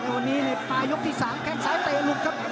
วันนี้ในปลายกที่๓แข้งซ้ายเตะหลุดครับ